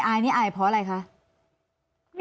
ยายก็ยังแอบไปขายขนมแล้วก็ไปถามเพื่อนบ้านว่าเห็นไหมอะไรยังไง